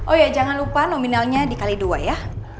oh ya jangan lupa nominalnya dikali dua ya